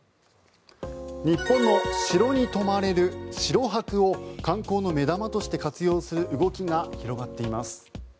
日本の城に泊まれる城泊を観光の目玉として活用する動きが広がっています。